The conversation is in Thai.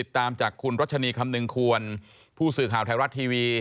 รักษณีย์คำหนึ่งควรผู้สื่อข่าวไทยรัตน์ทีวี